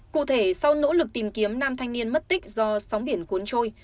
cụ thể sau nỗ lực tìm kiếm nam thanh niên mất tích do sóng biển cuốn trôi